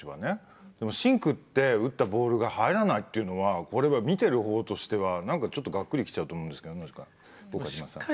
でも芯食って打ったボールが入らないっていうのはこれは見てる方としては何かちょっとがっくりきちゃうと思うんですけどどうですか？